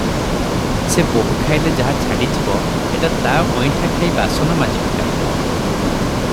ସେ ବୋହୂ ଖାଇଲେ ଯାହା ଛାଡ଼ି ଯିବ, ଏଟା ତା ଅଇଁଠା ଖାଇ ବାସନ ମାଜି ପକାଇବ ।